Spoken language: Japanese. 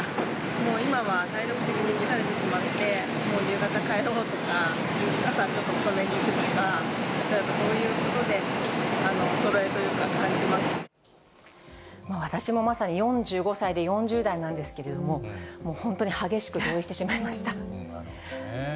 もう今は体力的に疲れてしまって、もう夕方帰ろうとか、朝ちょっと遅めに行くとか、例えばそういう私もまさに４５歳で４０代なんですけれども、本当に激しく同意してしまいました。